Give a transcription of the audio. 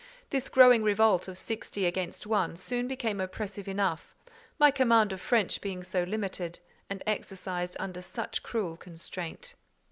This growing revolt of sixty against one, soon became oppressive enough; my command of French being so limited, and exercised under such cruel constraint.